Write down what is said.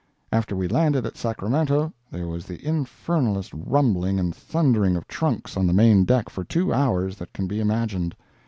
After we landed at Sacramento there was the infernalest rumbling and thundering of trunks on the main deck for two hours that can be imagined.